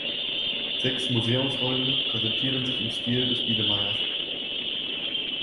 Sechs "Museumsräume" präsentieren sich im Stil des Biedermeiers.